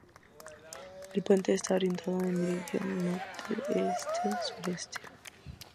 El puente está orientado en dirección noroeste-sureste.